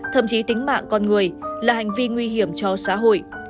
thậm chí tính mạng con người là hành vi nguy hiểm cho xã hội